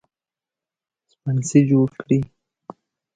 سپڼسي جوړ کړي